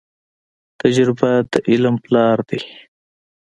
تجربه د علم پلار دی.